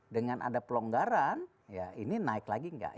dengan ada pelonggaran ya ini naik lagi enggak